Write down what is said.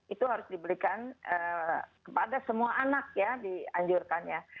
itu harus diberikan kepada semua anak ya dianjurkannya